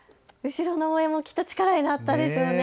後ろの応援もきっと力になったですよね。